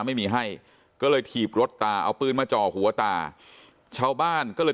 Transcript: ไม่มีให้ก็เลยถีบรถตาเอาปืนมาจ่อหัวตาชาวบ้านก็เลย